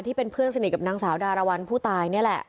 ที่เป็นเพื่อนสนิทกับนางสาวดารวรรณผู้ตายนี่แหละ